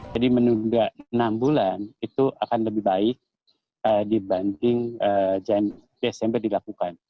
jadi menunda enam bulan itu akan lebih baik dibanding jain pesember dilakukan